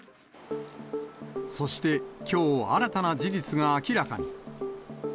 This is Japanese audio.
そしてきょう、新たな事実が明らかに。